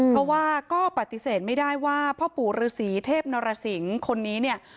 เพราะว่าก็ปฏิเสธไม่ได้ว่าพ่อปู่ฤษีเทพนรสิงศ์คนนี้เนี่ย